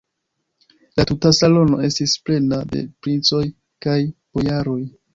La tuta salono estis plena de princoj kaj bojaroj.